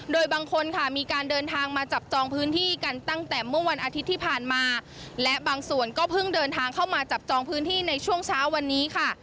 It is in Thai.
โดยบางคนค่ะมีการเดินทางมาจับจองพื้นที่กันตั้งแต่เมื่อวันอาทิตย์ที่ผ่านมาและบางส่วนก็เพิ่งเดินทางเข้ามาจับจองพื้นที่ในช่วงเช้าวันนี้ค่ะ